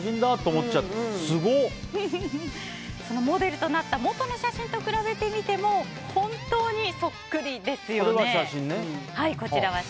モデルとなった元の写真と比べてみても本当にそっくりですよね。